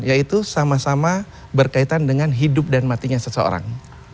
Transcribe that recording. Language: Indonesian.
yaitu sama sama berkaitan dengan hidup dan matinya seseorang